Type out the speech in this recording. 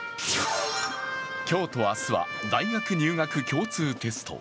今日と明日は大学入学共通テスト。